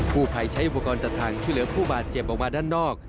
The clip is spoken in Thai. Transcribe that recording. ผู้ภัยใช้อุปกรณ์ตัดทางช่วยเหลือผู้บาดเจ็บออกมาด้านนอก